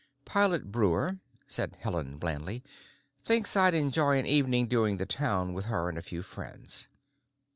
"Pilot Breuer," said Helena blandly, "thinks I'd enjoy an evening doing the town with her and a few friends."